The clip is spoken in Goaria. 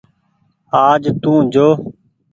آج تو جو۔